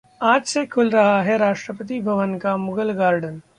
आज से खुल रहा है राष्ट्रपति भवन का मुगल गार्डन